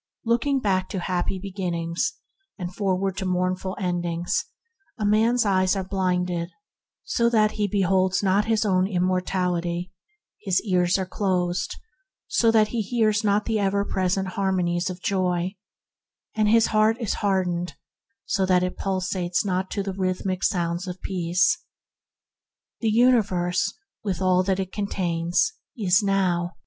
Looking back to happy beginnings, and forward to mournful endings, a man's eyes are blinded so that he beholds not his own immortality; his ears are closed so that he hears not the ever present harmonies of Joy; and his heart is hardened so that it pulsates not to the rhythmic sounds of Peace. The universe, with all that it contains, is now.